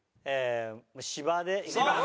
芝でいきます。